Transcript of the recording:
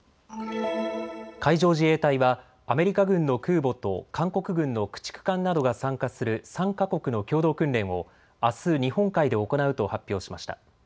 海上自衛隊はアメリカ軍の空母と韓国軍の駆逐艦などが参加する３か国の共同訓練をあす日本海で行うと発表しました。